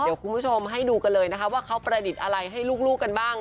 เดี๋ยวคุณผู้ชมให้ดูกันเลยนะคะว่าเขาประดิษฐ์อะไรให้ลูกกันบ้าง